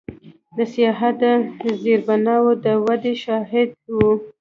د سیاحت د زیربناوو د ودې شاهد و.